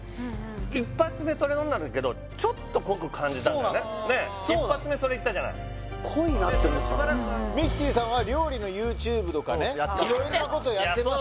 １発目それ飲んだんだけどちょっとそうなの１発目それいったじゃない濃いなって思ったミキティさんは料理のＹｏｕＴｕｂｅとかね色んなことやってます